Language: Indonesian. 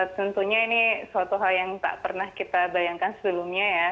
tentunya ini suatu hal yang tak pernah kita bayangkan sebelumnya ya